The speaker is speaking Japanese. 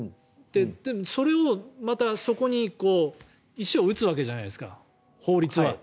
それをまたそこに石を打つわけじゃないですか法律は。